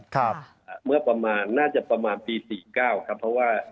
ครับงพมหน้าจะประมาณปี๔๙เพราะว่า